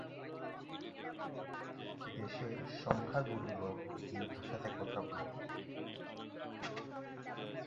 দেশের সংখ্যাগুরু লোক এই ভাষাতে কথা বলেন।